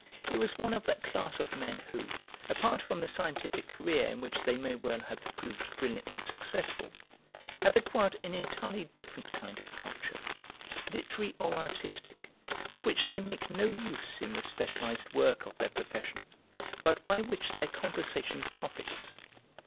He was one of that class of men who, apart from a scientific career in which they may well have proved brilliantly successful, have acquired an entirely different kind of culture, literary or artistic, of which they make no use in the specialised work of their profession, but by which their conversation profits.